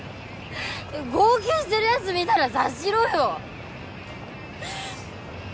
号泣してるヤツ見たら察しろよ！